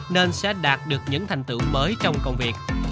nên sẽ đạt được những thành tựu mới trong công việc